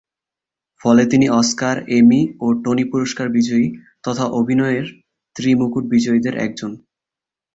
ফলে তিনি Oscar, Emmy ও টনি পুরস্কার বিজয়ী তথা অভিনয়ের ত্রি-মুকুট বিজয়ীদের একজন।